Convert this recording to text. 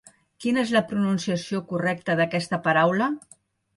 Quina és la pronunciació correcta d'aquesta paraula?